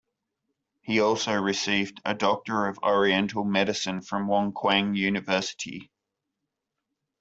He also received a Doctor of Oriental Medicine from Wonkwang University.